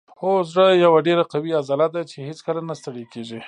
هو زړه یوه ډیره قوي عضله ده چې هیڅکله نه ستړې کیږي